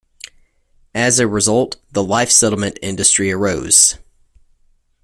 As a result, the life settlement industry arose.